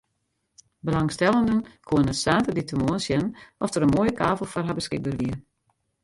Belangstellenden koene saterdeitemoarn sjen oft der in moaie kavel foar har beskikber wie.